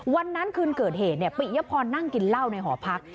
วันนั้นคืนเกิดเหตุปิยพรนั่งกินเหล้าในหอพัก